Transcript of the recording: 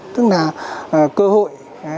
tức là cơ hội